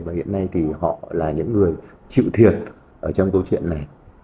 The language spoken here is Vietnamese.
và hiện nay thì họ là những người chịu thiệt ở trong câu chuyện này